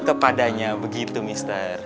kepadanya begitu mister